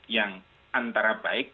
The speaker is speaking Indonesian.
yang antara baik